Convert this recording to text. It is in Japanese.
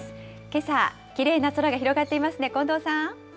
けさ、きれいな空が広がっていますね。